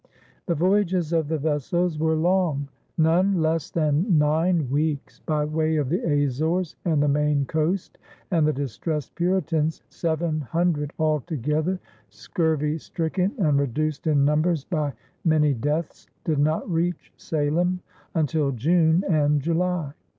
The voyages of the vessels were long, none less than nine weeks, by way of the Azores and the Maine coast, and the distressed Puritans, seven hundred altogether, scurvy stricken and reduced in numbers by many deaths, did not reach Salem until June and July.